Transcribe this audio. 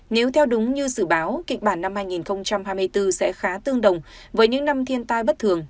nếu theo đúng như dự báo kịch bản năm hai nghìn hai mươi bốn sẽ khá tương đồng với những năm thiên tai bất thường